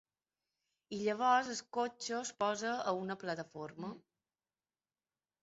I llavors el cotxe es posa en una plataforma.